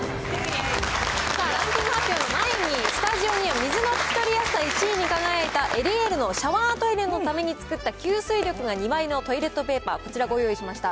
さあ、ランキング発表の前に、スタジオに水の拭き取りやすさ１位に輝いた、エリエールのシャワートイレのために作った吸水力が２倍のトイレットペーパー、こちらご用意しました。